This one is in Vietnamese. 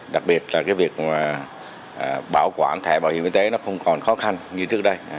đặc biệt là việc bảo quản thẻ bảo hiểm y tế không còn khó khăn như trước đây